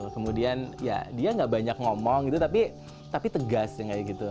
kemudian ya dia gak banyak ngomong gitu tapi tegas kayak gitu